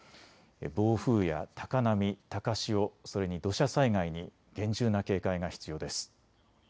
暴風や高波、高潮、それに土砂災害に厳重な警戒が必要です。